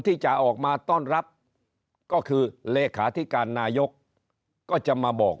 ที่จะออกมาต้อนรับก็คือเลขาธิการนายกก็จะมาบอก